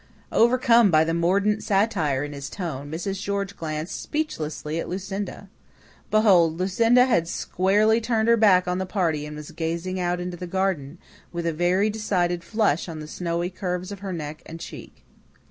Overcome by the mordant satire in his tone, Mrs. George glanced speechlessly at Lucinda. Behold, Lucinda had squarely turned her back on the party and was gazing out into the garden, with a very decided flush on the snowy curves of her neck and cheek.